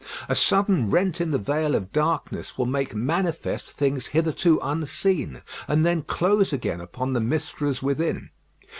A sudden rent in the veil of darkness will make manifest things hitherto unseen, and then close again upon the mysteries within.